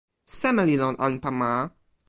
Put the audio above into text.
seme li lon anpa ma?